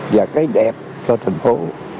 và cái đẹp cho thành phố